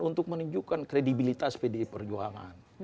untuk menunjukkan kredibilitas pdi perjuangan